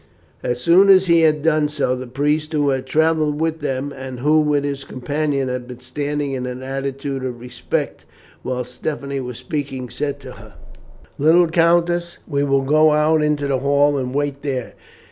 As soon as he had done so the priest who had travelled with them, and who, with his companion, had been standing in an attitude of respect while Stephanie was speaking, said to her: "Little countess, we will go out into the hall and wait there.